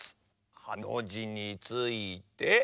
ハのじについて。